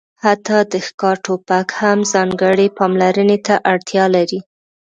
حتی د ښکار ټوپک هم ځانګړې پاملرنې ته اړتیا لري